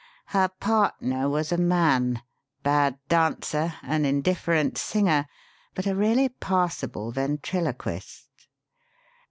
Her partner was a man bad dancer, an indifferent singer, but a really passable ventriloquist."